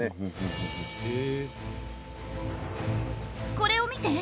これを見て！